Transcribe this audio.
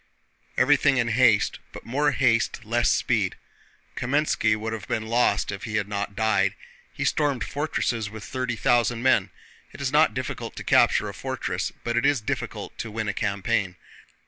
Everything in haste, but more haste, less speed. Kámenski would have been lost if he had not died. He stormed fortresses with thirty thousand men. It is not difficult to capture a fortress but it is difficult to win a campaign.